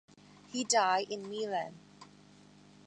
He died in Meran.